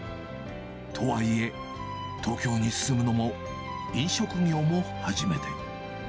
とはいえ、東京に住むのも飲食業も初めて。